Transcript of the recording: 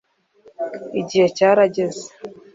Igihe cyarageze